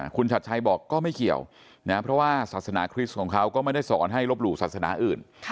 คุณชัดชัยบอกก็ไม่เกี่ยวนะเพราะว่าศาสนาคริสต์ของเขาก็ไม่ได้สอนให้ลบหลู่ศาสนาอื่น